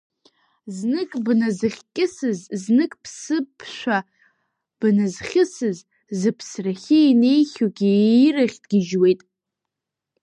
Знык бназыхькьысыз, знык ԥсыԥшәа бназхьысыз, зыԥсрахьы инеихьоугьы иирахь дгьежьуеит.